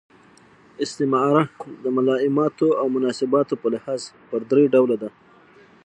استعاره د ملایماتو او مناسباتو په لحاظ پر درې ډوله ده.